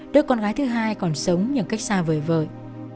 đứa con gái thứ hai còn sống những cách xa vời vợi